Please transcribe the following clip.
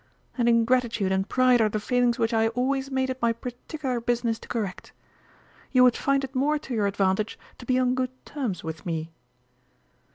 And ingratitude and pride are the failings which I always made it my particular business to correct. You would find it more to your advantage to be on good terms with me."